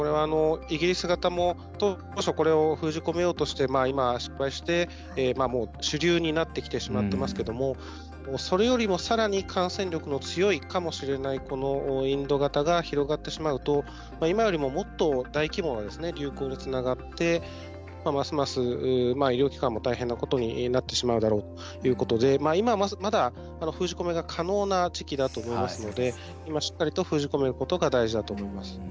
イギリス型も当初これを封じ込めようとして今、失敗して、主流になってきてしまってますけどもそれよりも、さらに感染力の強いかもしれないインド型が広がってしまうと今よりももっと大規模な流行につながってますます医療機関も大変なことになってしまうだろうということで今、まだ、封じ込めが可能な時期だと思いますので今、しっかりと封じ込めることが大事だと思います。